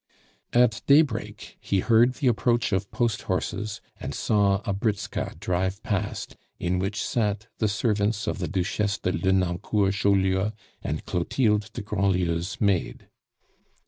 At daybreak he heard the approach of post horses and saw a britska drive past, in which sat the servants of the Duchesse de Lenoncourt Chaulieu and Clotilde de Grandlieu's maid.